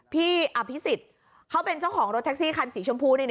พี่อภิษฎเขาเป็นเจ้าของรถแท็กซี่คันสีชมพู